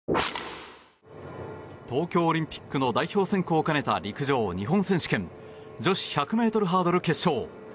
東京オリンピックの代表選考を兼ねた陸上日本選手権女子１００ｍハードル決勝。